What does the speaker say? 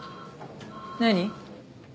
何？